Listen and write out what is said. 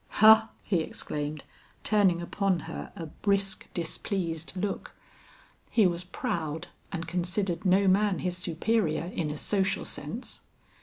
"Ha," he exclaimed, turning upon her a brisk displeased look. He was proud and considered no man his superior in a social sense.